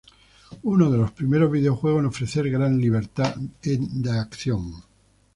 Uno de los primeros videojuegos en ofrecer gran libertad de acción.